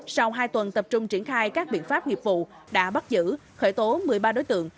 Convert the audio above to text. sau hai tuần tập trung triển khai các biện pháp nghiệp vụ đã bắt giữ khởi tố một mươi ba đối tượng